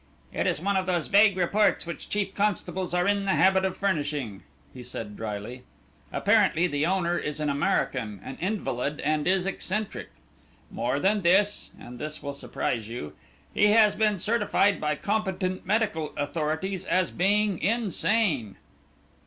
"It is one of those vague reports which chief constables are in the habit of furnishing," he said, drily. "Apparently the owner is an American, an invalid, and is eccentric. More than this and this will surprise you he has been certified by competent medical authorities as being insane."